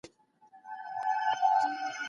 په جنګونو کي د خلکو مځکي غصب سوې.